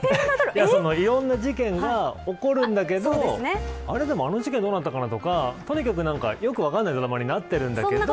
いろんな事件が起こるんだけどあれ、でもあの事件どうなったかなとかよく分からないドラマになっているんだけれども。